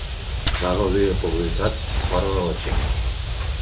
Va gaudir de popularitat fora de la Xina.